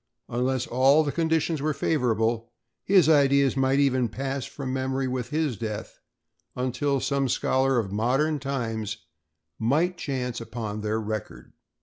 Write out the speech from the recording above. Unless all the conditions were favorable, his ideas might even pass from memory with his death, until some scholar of modern times might chance upon their record.